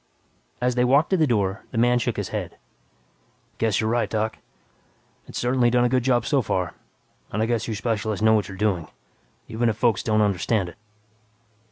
As they walked to the door, the man shook his head, "Guess you're right, Doc. It's certainly done a good job so far, and I guess you specialists know what you're doing, even if folks don't understand it."